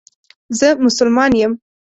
زه مسلمان یم